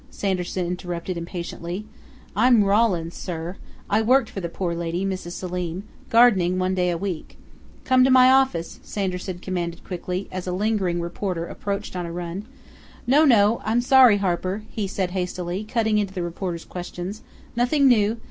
Sanderson interrupted impatiently. "I'm Rawlins, sir. I worked for the poor lady, Mrs. Selim gardening one day a week " "Come to my office!" Sanderson commanded quickly, as a lingering reporter approached on a run.... "No, no! I'm sorry, Harper," he said hastily, cutting into the reporter's questions. "Nothing new!